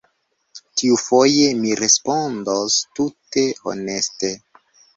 Tiufoje, mi respondos tute honeste!